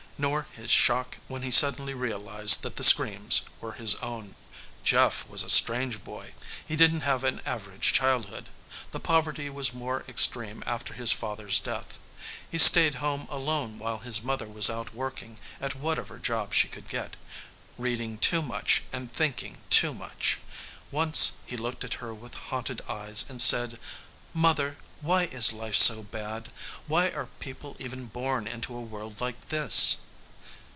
Nor his shock when he suddenly realized that the screams were his own. Jeff was a strange boy. He didn't have an average childhood. The poverty was more extreme after his father's death. He stayed home alone while his mother was out working at whatever job she could get, reading too much and thinking too much. Once, he looked at her with haunted eyes and said: "Mother, why is life so bad? Why are people even born into a world like this?"